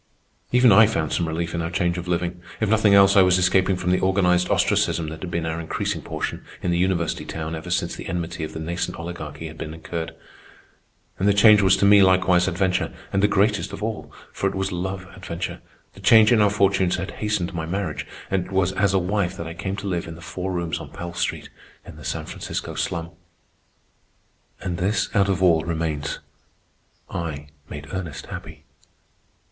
Even I found some relief in our change of living. If nothing else, I was escaping from the organized ostracism that had been our increasing portion in the university town ever since the enmity of the nascent Oligarchy had been incurred. And the change was to me likewise adventure, and the greatest of all, for it was love adventure. The change in our fortunes had hastened my marriage, and it was as a wife that I came to live in the four rooms on Pell Street, in the San Francisco slum. And this out of all remains: I made Ernest happy.